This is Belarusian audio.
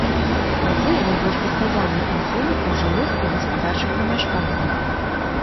Адзін найбольш пастаянных насельнікаў жылых і гаспадарчых памяшканняў.